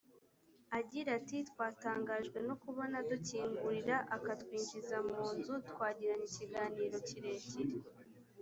agira ati twatangajwe no kubona adukingurira akatwinjiza mu nzu twagiranye ikiganiro kirekire